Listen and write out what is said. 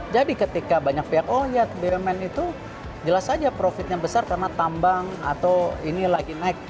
jadi ketika banyak pihak oh ya bumn itu jelas saja profitnya besar karena tambang atau ini lagi naik